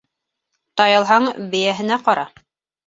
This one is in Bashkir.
Тай алһаң, бейәһенә ҡара.